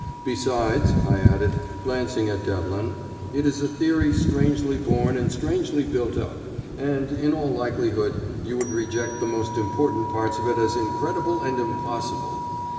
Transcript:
Besides," I added, glancing at Devlin, "it is a theory strangely born and strangely built up, and, in all likelihood, you would reject the most important parts of it as incredible and impossible.